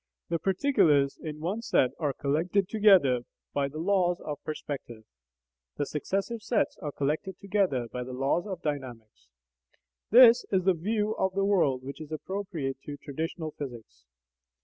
The particulars in one set are collected together by the laws of perspective; the successive sets are collected together by the laws of dynamics. This is the view of the world which is appropriate to traditional physics.